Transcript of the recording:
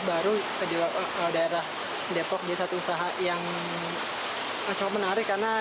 karena ini adalah satu inovatif baru di daerah depok jadi satu usaha yang menarik